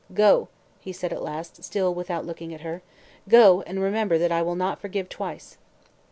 "Go!" he said at last, still without looking at her. "Go, and remember that I will not forgive twice."